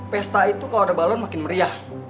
pesta itu kalau ada balon makin meriah